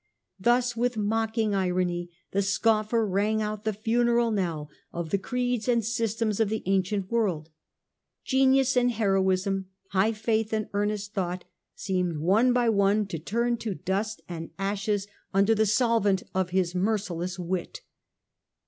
Thus with mocking irony the scoffer rang out the funeral knell of the creeds and systems of the ancient world. Genius and heroism, high faith and earnest thought, seemed one by one to turn to dust and ashes A. H. O 194 The Age of the Antoiiines, ch. ix. under the solvent of his merciless wit.